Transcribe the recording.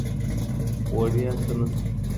وړیا څه نسته.